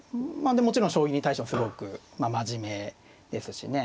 もちろん将棋に対してもすごく真面目ですしね。